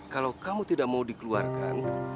kalau kamu tidak mau dikeluarkan